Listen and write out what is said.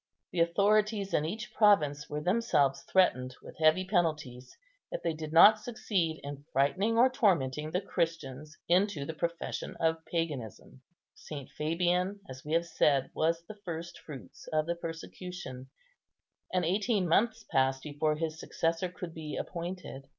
The authorities in each province were themselves threatened with heavy penalties, if they did not succeed in frightening or tormenting the Christians into the profession of paganism. St. Fabian, as we have said, was the first fruits of the persecution, and eighteen months passed before his successor could be appointed.